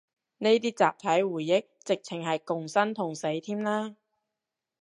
呢啲集體回憶，直程係同生共死添啦